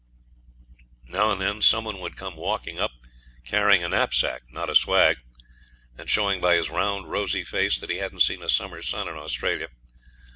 Now and then some one would come walking up, carrying a knapsack, not a swag, and showing by his round, rosy face that he hadn't seen a summer's sun in Australia.